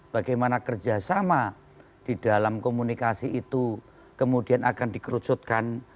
bagaimana kerjasama di dalam komunikasi itu kemudian akan dikerucutkan